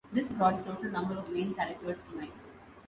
This brought the total number of main characters to nine.